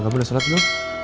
kamu udah sholat dulu